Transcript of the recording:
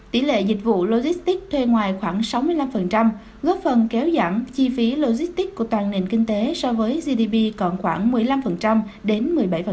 tỷ lệ dịch vụ logistics thuê ngoài khoảng sáu mươi năm góp phần kéo giảm chi phí logistics của toàn nền kinh tế so với gdp còn khoảng một mươi năm đến một mươi bảy